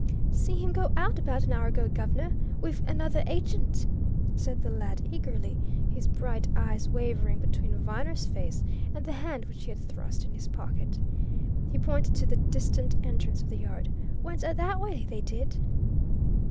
"See him go out abaht an hour ago, guv'nor wiv anuvver gent," said the lad eagerly, his bright eyes wavering between Viner's face and the hand which he had thrust in his pocket. He pointed to the distant entrance of the yard. "Went aht that way, they did."